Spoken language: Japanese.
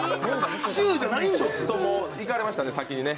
ちょっといかれましたね、先にね。